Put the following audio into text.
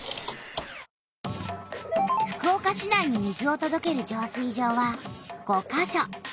福岡市内に水をとどける浄水場は５か所。